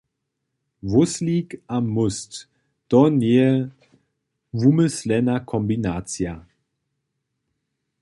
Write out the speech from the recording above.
Wóslik a móst – to njeje wumyslena kombinacija.